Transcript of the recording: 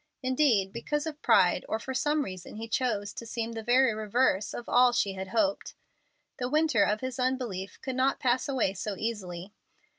Indeed, because of pride, or for some reason, he chose to seem the very reverse of all she had hoped. The winter of his unbelief could not pass away so easily.